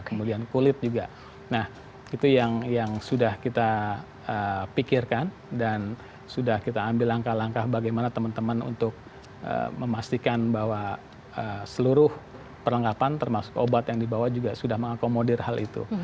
kemudian kulit juga nah itu yang sudah kita pikirkan dan sudah kita ambil langkah langkah bagaimana teman teman untuk memastikan bahwa seluruh perlengkapan termasuk obat yang dibawa juga sudah mengakomodir hal itu